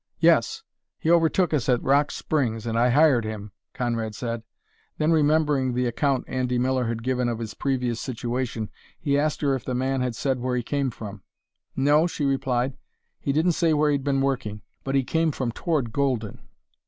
"Yes; he overtook us at Rock Springs, and I hired him," Conrad said. Then, remembering the account Andy Miller had given of his previous situation, he asked her if the man had said where he came from. "No," she replied; "he didn't say where he'd been working; but he came from toward Golden."